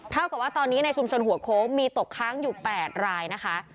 เท่ากับว่าตอนนี้ในชุมชนหัวโค้งมีตกค้างอยู่๘รายนะคะ